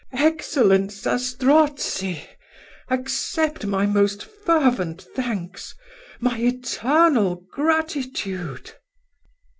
Excellent Zastrozzi! accept my most fervent thanks, my eternal gratitude."